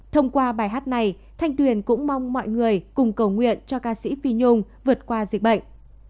thông qua bài hát này thanh tuyền cũng mong mọi người cùng cầu nguyện cho ca sĩ phi nhung vượt qua dịch bệnh